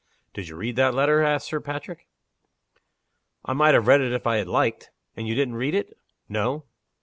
"Did you read that letter?" asked Sir Patrick. "I might have read it if I had liked." "And you didn't read it?" "No."